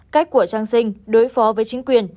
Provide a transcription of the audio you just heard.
cách của trang sinh đối phó với chính quyền